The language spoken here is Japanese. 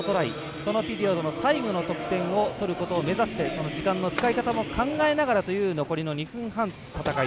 そのピリオドの最後の得点を取ることを目指してその時間の使い方も考えながらという残りの２分半の戦い。